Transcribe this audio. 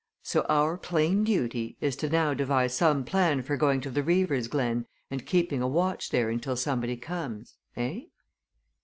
So our plain duty is to now devise some plan for going to the Reaver's Glen and keeping a watch there until somebody comes. Eh?"